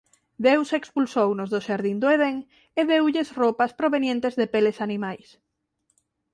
Deus expulsounos do Xardín do Edén e deulles roupas provenientes de peles animais.